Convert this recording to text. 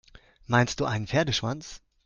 Meinst du einen Pferdeschwanz?